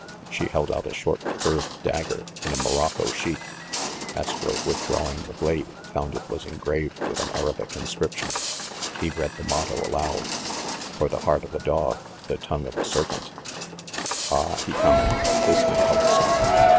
She held out a short curved dagger, in a morocco sheath. Astro, withdrawing the blade, found it was engraved with an Arabic inscription. He read the motto aloud : "For the heart of a dog, the tongue of a serpent!" "Ah !" he commented, "this may help some.